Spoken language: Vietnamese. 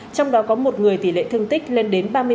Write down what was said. trong đó có một người tỷ lệ thương tích lên đến ba mươi